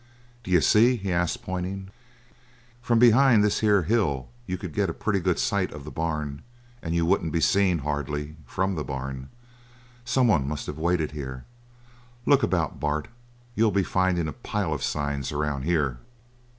"D'you see?" he asked, pointing. "From behind this here hill you could get a pretty good sight of the barn and you wouldn't be seen, hardly, from the barn. Someone must have waited here. Look about, Bart, you'll be findin' a pile of signs, around here.